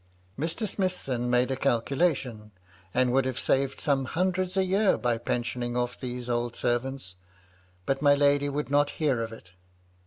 Mr. Smithson made a calculation, and would have saved some hundreds a year by pensioning off these old servants. But my lady would not hear of it.